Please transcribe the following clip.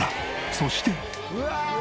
そして。